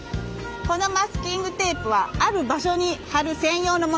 このマスキングテープはある場所に貼る専用のものです。